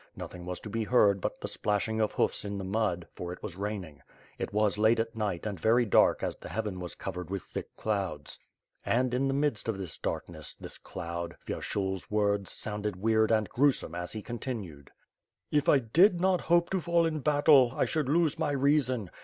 Nothing was to be heard but the splashing of hoofs in the mud, for it was raining. It was late at night and very dark as the heaven was covered with thick clouds. And, in the midst of this darkness, this cloud, Vyershul's words sounded weird and gruesome, as he continued: "If 1 did not hope to fall in battle, I should lose my reason.